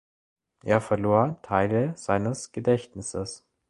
Er verlor Teile seines Gedächtnisses.